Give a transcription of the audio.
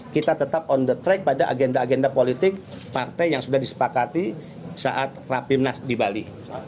kita tetap on the track pada agenda agenda politik partai yang sudah disepakati saat rapimnas di bali